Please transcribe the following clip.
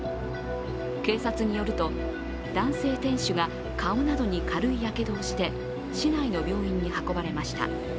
警察によると、男性店主が顔などに軽いやけどをして市内の病院に運ばれました。